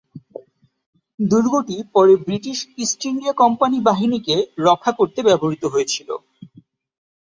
দুর্গটি পরে British East India company বাহিনীকে রক্ষা করতে ব্যবহৃত হয়েছিল।